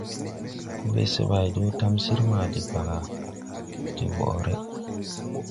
Kod se ɓo do tamsir ma de balaʼ de woʼré.